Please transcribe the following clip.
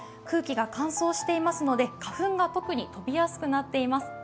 空気が乾燥しますので花粉が特に飛びやすくなっています。